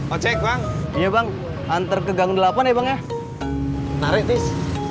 oh cek bang iya bang antar ke gang delapan ya bang ya menarik tis